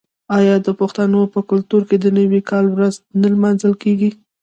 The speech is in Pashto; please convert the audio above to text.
آیا د پښتنو په کلتور کې د نوي کال ورځ نه لمانځل کیږي؟